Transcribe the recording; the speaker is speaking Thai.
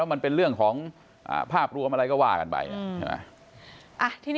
มันเป็นเรื่องของภาพรวมอะไรก็ว่ากันไปใช่ไหม